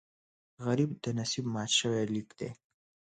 غریب د نصیب مات شوی لیک دی